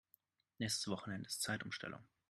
Nächstes Wochenende ist Zeitumstellung.